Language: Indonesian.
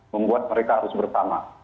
membuat mereka harus bertama